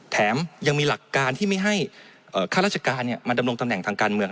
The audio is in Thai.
แถมยังมีหลักการที่ไม่ให้ข้าราชการมาดำรงตำแหน่งทางการเมือง